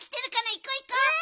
いこういこう！